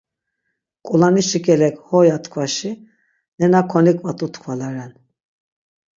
K̆ulanişi k̆elek ho ya tkvaşi, nena konik̆vatu tkvala ren.